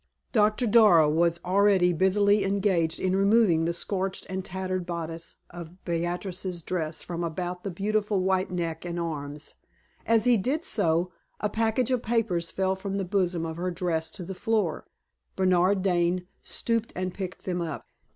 Doctor Darrow was already busily engaged in removing the scorched and tattered bodice of Beatrix's dress from about the beautiful white neck and arms. As he did so, a package of papers fell from the bosom of her dress to the floor. Bernard Dane stooped and picked them up.